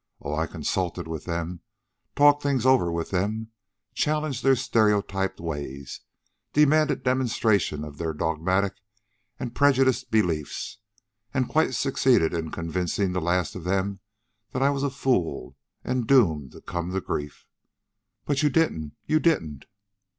Oh, I consulted with them, talked things over with them, challenged their stereotyped ways, demanded demonstration of their dogmatic and prejudiced beliefs, and quite succeeded in convincing the last of them that I was a fool and doomed to come to grief." "But you didn't! You didn't!"